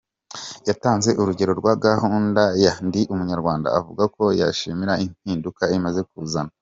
Yatanze urugero rwa gahunda ya “Ndi Umunyarwanda” avuga ko yishimira impinduka imaze kuzana.